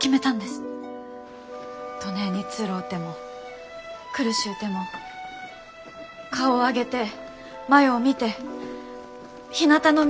どねえにつろうても苦しゅうても顔を上げて前う見てひなたの道を歩いていく。